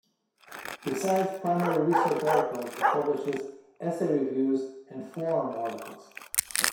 Besides primary research articles, it publishes "Essay Reviews" and "Forum" articles.